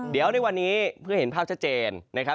เดี๋ยวในวันนี้เพื่อเห็นภาพชัดเจนนะครับ